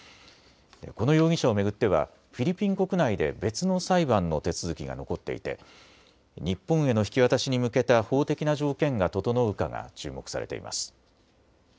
この容疑者を巡ってはフィリピン国内で別の裁判の手続きが残っていて日本への引き渡しに向けた法的な条件が整うかが注目されています。